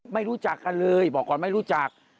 ไม่รู้จักกันเลยบอกก่อนไม่รู้จัก